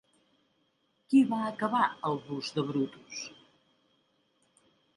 Qui va acabar el Bust de Brutus?